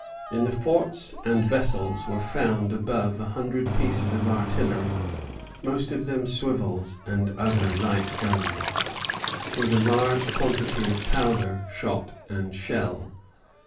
In the forts and vessels were found above a hundred pieces of artillery, most of them swivels and other light guns, with a large quantity of powder, shot, and shell.